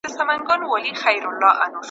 د کومې وليمې منل پر مسلمان باندي واجب دي؟